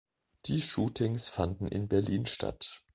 Die Shootings fanden in Berlin statt.